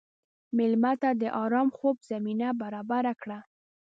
مېلمه ته د ارام خوب زمینه برابره کړه.